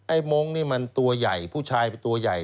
ไอ้โม้งนี่มันตัวใหญ่ผู้ชายตัวใหญ่